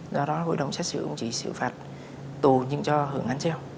do đó hội đồng xét xử cũng chỉ xử phạt tù nhưng cho hưởng án treo